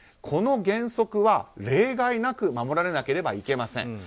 この原則は例外なく守られなければいけません。